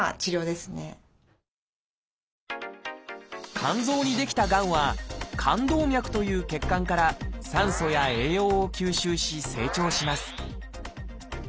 肝臓に出来たがんは「肝動脈」という血管から酸素や栄養を吸収し成長します